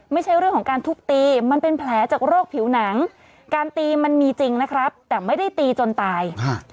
ไม่ใช่เรื่องของการทุบตีมันเป็นแผลจากโรคผิวหนังการตีมันมีจริงนะครับแต่ไม่ได้ตีจนตาย